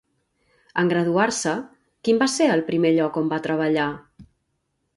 En graduar-se, quin va ser el primer lloc on va treballar?